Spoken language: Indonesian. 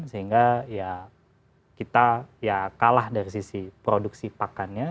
sehingga ya kita ya kalah dari sisi produksi pakannya